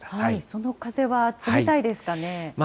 その風は冷たいですかね。